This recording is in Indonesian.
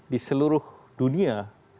di seluruh dunia